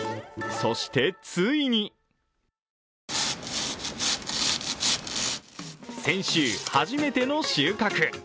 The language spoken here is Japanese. そして、ついに先週、初めての収穫。